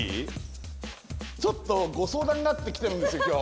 ちょっとご相談があって来てるんですよ今日。